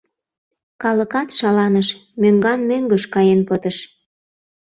Калыкат шаланыш, мӧҥган-мӧҥгыш каен пытыш.